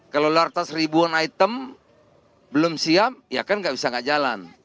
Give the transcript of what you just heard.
kalau lartas ribuan item belum siap ya kan nggak bisa nggak jalan